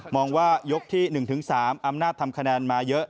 บอกว่ายกที่๑๓อำนาจทำคะแนนมาเยอะ